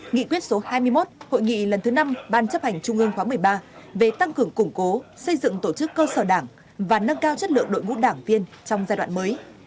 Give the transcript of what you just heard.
nghị quyết số hai mươi một hội nghị lần thứ năm ban chấp hành trung ương khóa một mươi ba về tăng cường củng cố xây dựng tổ chức cơ sở đảng và nâng cao chất lượng đội ngũ đảng viên trong giai đoạn mới